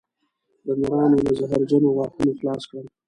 د نرانو له زهرجنو غاښونو خلاص کړم